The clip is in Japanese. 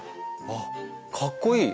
あっかっこいい！